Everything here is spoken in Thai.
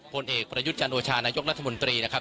ผลเอกประยุทธ์จันโอชานายกรัฐมนตรีนะครับ